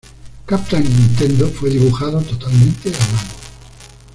Captain Nintendo fue dibujado totalmente a mano.